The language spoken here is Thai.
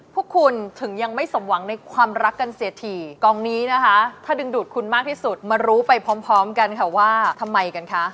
พวกคุณถึงยังไม่สมหวังในความรักกันเสียทีกองนี้นะคะถ้าดึงดูดคุณมากที่สุดมารู้ไปพร้อมพร้อมกันค่ะว่าทำไมกันคะ